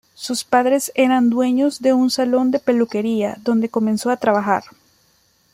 Sus padres eran dueños de un salón de peluquería, donde comenzó a trabajar.